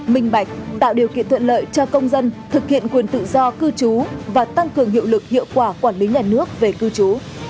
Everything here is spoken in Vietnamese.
minh bạch tạo điều kiện thuận lợi cho công dân thực hiện quyền tự do cư trú và tăng cường hiệu lực hiệu quả quản lý nhà nước về cư trú